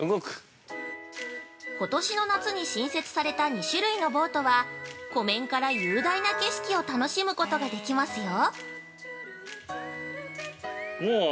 ◆ことしの夏に新設された２種類のボートは、湖面から雄大な景色を楽しむことができますよ。